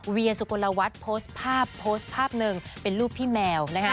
เวียสุโกนละวัดโพสท์ภาพเพิ่ม๑เป็นรูปพี่แมว